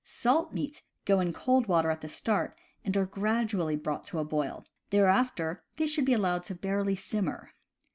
Salt meats go in cold water at the start, and are gradually brought to a boil; there after they should be allowed to barely simmer.